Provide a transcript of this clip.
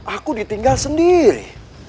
aku ditinggal sendiri